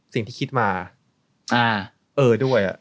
สิ่งที่คิดมาเออด้วย